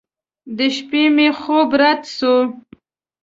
د شپې مې خوب رډ سو.